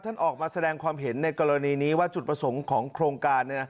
ออกมาแสดงความเห็นในกรณีนี้ว่าจุดประสงค์ของโครงการ